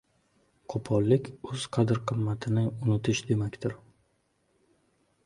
Qo‘pollik o‘z qadr-qimmatini unutish demakdir.